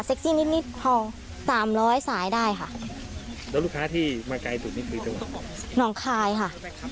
เซ็กซี่นิดนิดพอสามร้อยสายได้ค่ะแล้วลูกค้าที่มาไกลสุดนี้คือเท่าไหร่น้องคลายค่ะ